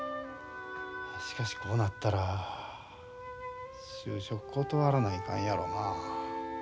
しかしこうなったら就職断らないかんやろな。